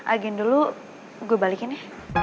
agen dulu gue balikin ya